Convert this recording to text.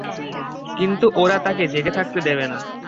কিন্তু ওরা তাকে জেগে থাকতে দেবে না।